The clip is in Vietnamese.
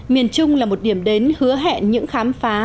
miền trung là một điểm đến hứa hẹn những khám phá